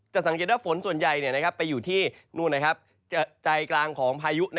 สังเกตว่าฝนส่วนใหญ่ไปอยู่ที่นู่นใจกลางของพายุ